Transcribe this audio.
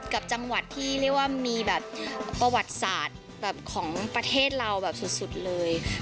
กับจังหวัดที่เรียกว่ามีแบบประวัติศาสตร์ของประเทศเราแบบสุดเลย